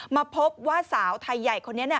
มาพบว่าสาวไทยใหญ่คนนี้